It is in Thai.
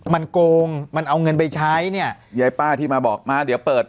มันโกงมันเอาเงินไปใช้เนี่ยยายป้าที่มาบอกมาเดี๋ยวเปิด